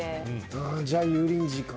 ああじゃあ油淋鶏か。